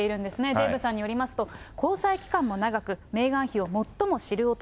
デーブさんによりますと、交際期間も長く、メーガン妃を最も知る男。